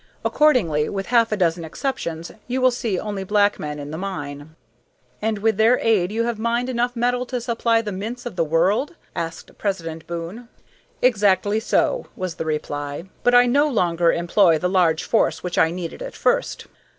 Accordingly, with half a dozen exceptions, you will see only black men at the mine." "And with their aid you have mined enough metal to supply the mints of the world?" asked President Boon. "Exactly so," was the reply. "But I no longer employ the large force which I needed at first."